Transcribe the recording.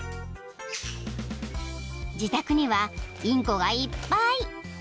［自宅にはインコがいっぱい］